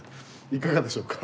いかがでしょうか？